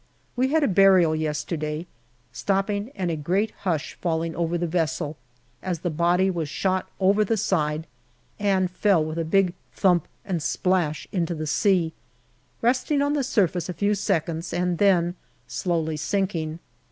We had a burial yesterday, stopping, and a great hush falling over the vessel as the body was shot over the side and fell with a big thump and splash into the sea, resting on the surface a few seconds and then slowly sinking.